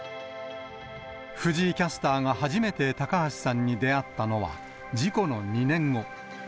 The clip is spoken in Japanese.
藤井キャスターが初めて高橋さんに出会ったのは、事故の２年後。